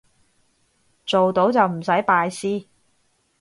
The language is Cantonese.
做到就唔使拜師